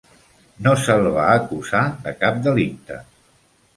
No se'l va acusar de cap delicte.